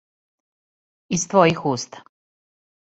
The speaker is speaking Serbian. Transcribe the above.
Из твојих уста.